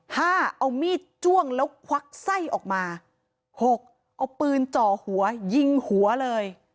เอามีดจ้วงแล้วควักไส้ออกมาหกเอาปืนจ่อหัวยิงหัวเลย